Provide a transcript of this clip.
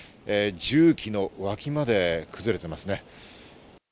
重機の脇まで崩れていますね。